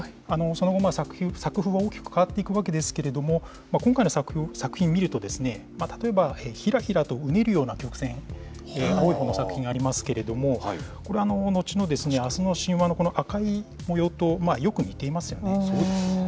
その後、作風は大きく変わっていくわけですけれども、今回の作品見ると、例えばひらひらとうねるような曲線、の作品あると思いますけれども、これ、後の明日の神話のこの赤い模様とよく似ていますよね。